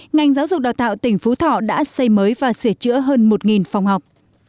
ngành giáo dục đào tạo tỉnh phú thọ đã xây mới và sửa chữa hơn một phòng học